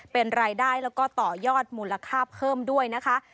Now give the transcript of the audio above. เป็นรายได้แล้วก็ต่อยอดมูลค่าเพิ่มด้วยนะคะ